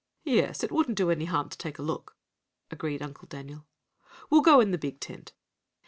"Yes, it wouldn't do any harm to take a look," agreed Uncle Daniel. "We'll go in the big tent."